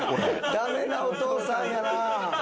ダメなお父さんやな。